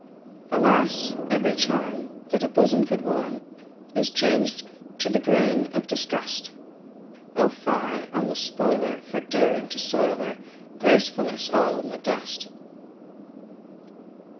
Alas every charm that a bosom could warm Is changed to the grain of disgust! Oh, fie on the spoiler for daring to soil her Gracefulness all in the dust!